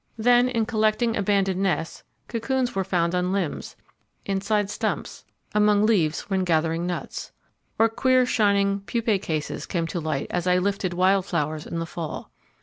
Then in collecting abandoned nests, cocoons were found on limbs, inside stumps, among leaves when gathering nuts, or queer shining pupae cases came to light as I lifted wild flowers in the fall.